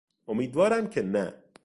امیدوارم که نه!